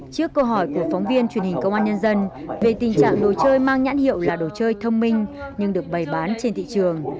trước câu hỏi của phóng viên truyền hình công an nhân dân về tình trạng đồ chơi mang nhãn hiệu là đồ chơi thông minh nhưng được bày bán trên thị trường